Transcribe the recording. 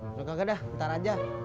nggak nggak ntar aja